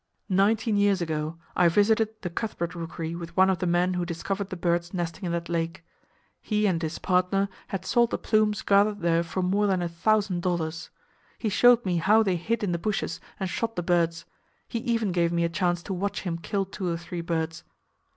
"Nineteen years ago, I visited the Cuthbert Rookery with one of the men who discovered the birds nesting in that lake. He and his partner had sold the plumes gathered there for more than a thousand dollars. He showed me how they hid in the bushes and shot the birds. He even gave me a chance to watch him kill two or three birds.